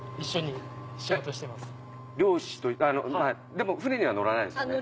漁師とでも船には乗らないですよね？